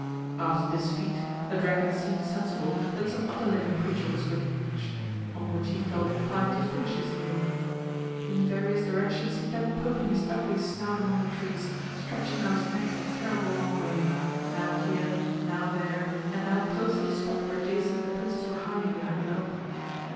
After this feat, the dragon seemed sensible that some other living creature was within reach, on which he felt inclined to finish his meal. In various directions he kept poking his ugly snout among the trees, stretching out his neck a terrible long way, now here, now there and now close to the spot where Jason and the princess were hiding behind an oak.